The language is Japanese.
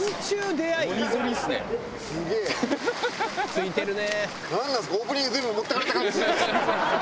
「ついてるね！」